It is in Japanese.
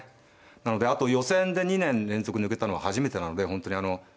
なのであと予選で２年連続抜けたのは初めてなので本当にあのＢ